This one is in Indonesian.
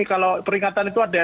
kalau peringatan itu ada